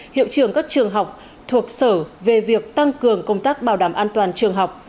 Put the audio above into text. hiệu trường các trường học thuộc sở về việc tăng cường công tác bảo đảm an toàn trường học